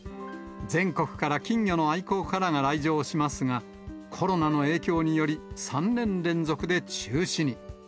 全国から金魚の愛好家らが来場しますが、コロナの影響により、３年連続で中止に。